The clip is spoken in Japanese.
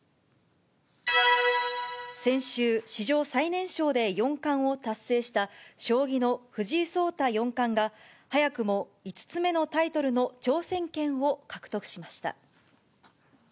先週、史上最年少で四冠を達成した将棋の藤井聡太四冠が、早くも５つ目のタイトルの挑戦権を獲得しました。